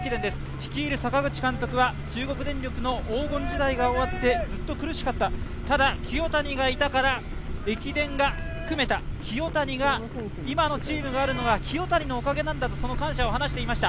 率いる坂口監督は中国電力の黄金時代が終わってずっと苦しかったただ、清谷がいたから駅伝が組めた今のチームがあるのは清谷のおかげなんだとその感謝を話していました。